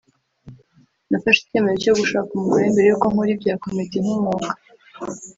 “Nafashe icyemezo cyo gushaka umugore mbere y’uko nkora ibya comedy nk’umwuga